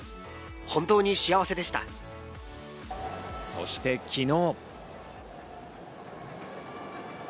そして昨日。